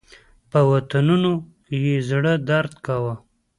په وطنونو یې زړه درد کاوه.